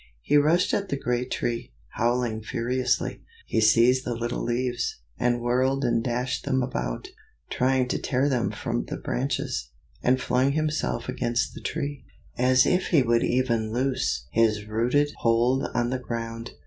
He rushed at the great Tree, howling furiously. He seized the little leaves, and whirled and dashed them about, trying to tear them from the branches; and flung himself against the Tree, as if he would even loose his rooted hold on the ground.